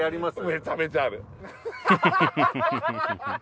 めちゃめちゃある。